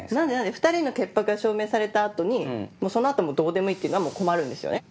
２人の潔白が証明された後にその後はどうでもいいっていうのは困るんですよね。